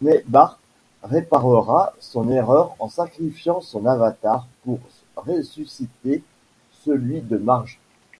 Mais Bart réparera son erreur en sacrifiant son avatar pour ressusciter celui de Marge.